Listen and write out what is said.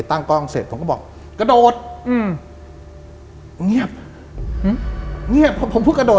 ตั้งกล้องเสร็จผมก็บอกกระโดดอืมเงียบเงียบผมเพิ่งกระโดด